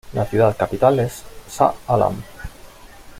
La ciudad capital es Shah Alam.